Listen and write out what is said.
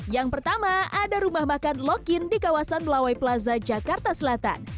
yang pertama ada rumah makan lokin di kawasan melawai plaza jakarta selatan